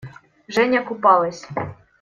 Женя купалась.